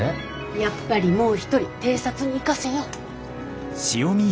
やっぱりもう一人偵察に行かせよう。